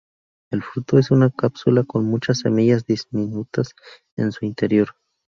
El fruto es una cápsula con muchas semillas diminutas en su interior.